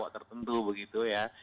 terbentuk begitu ya